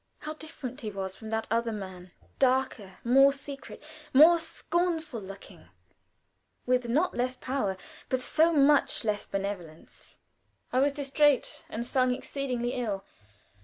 How different he was from that other man; darker, more secret, more scornful looking, with not less power, but so much less benevolence. I was distrait, and sung exceedingly ill.